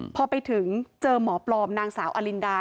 พอไปถึงเจอหมอปลอมนางสาวอลินดา